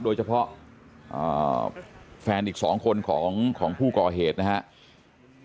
โดยเฉพาะแฟนอีก๒คนของผู้ก่อเหตุนะครับ